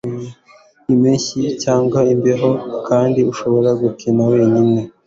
impeshyi cyangwa imbeho, kandi ishobora gukina wenyine